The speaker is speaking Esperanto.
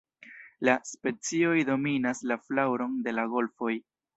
La specioj dominas la flaŭron de la golfoj.